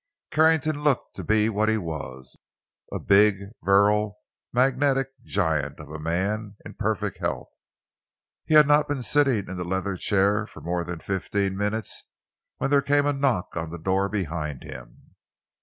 Carrington looked to be what he was—a big, virile, magnetic giant of a man in perfect health. He had not been sitting in the leather chair for more than fifteen minutes when there came a knock on a door behind him.